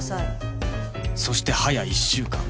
そしてはや１週間